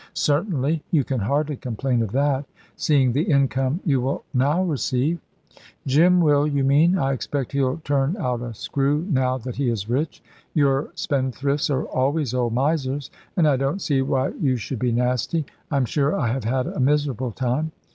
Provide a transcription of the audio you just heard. "Certainly. You can hardly complain of that, seeing the income you will now receive." "Jim will, you mean. I expect he'll turn out a screw now that he is rich. Your spendthrifts are always old misers. And I don't see why you should be nasty. I'm sure I have had a miserable time."